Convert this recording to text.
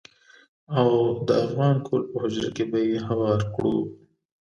او د افغان کهول په حجره کې به يې هوار کړو.